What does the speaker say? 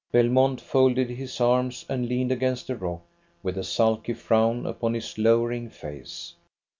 Belmont folded his arms and leaned against a rock, with a sulky frown upon his lowering face.